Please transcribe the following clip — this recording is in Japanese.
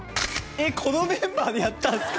えっこのメンバーでやったんすか？